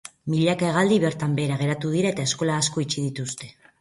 Milaka hegaldi bertan behera geratu dira eta eskola asko itxi dituzte.